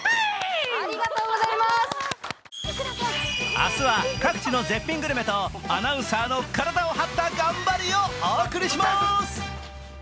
明日は各地の絶品グルメとアナウンサーの体を張った頑張りをお送りします。